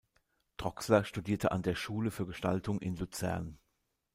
Troxler studierte an der Schule für Gestaltung in Luzern.